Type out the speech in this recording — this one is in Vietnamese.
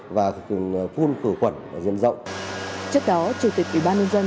trước đó các trường đã tự khử khuẩn bằng các dụng cụ sát khuẩn vào tổng vệ sinh môi trường